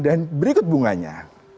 dan berikut bunganya